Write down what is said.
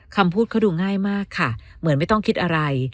คำพูดเขาดูง่ายมากค่ะเหมือนไม่ต้องคิดอะไร